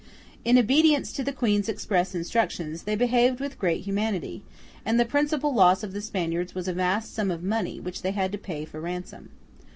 In obedience to the Queen's express instructions, they behaved with great humanity; and the principal loss of the Spaniards was a vast sum of money which they had to pay for ransom.